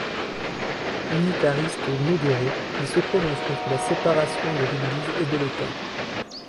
Unitariste modéré, il se prononce contre la séparation de l'Église et de l'État.